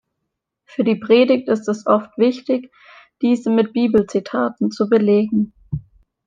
Für die Predigt ist es oft wichtig, diese mit Bibelzitaten zu belegen.